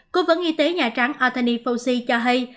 cố vấn y tế nhà trắng atheny fauci cho hay